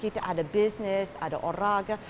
kita ada bisnis ada olahraga